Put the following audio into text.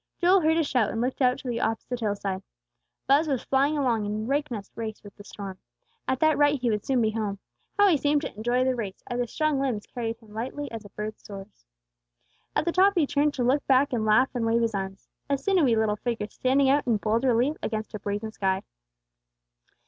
Joel heard a shout, and looked out to the opposite hillside. Buz was flying along in break neck race with the storm. At that rate he would soon be home. How he seemed to enjoy the race, as his strong limbs carried him lightly as a bird soars! At the top he turned to look back and laugh and wave his arms, a sinewy little figure standing out in bold relief against a brazen sky.